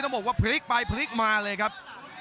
บอกว่าพลิกไปพลิกมาเลยครับ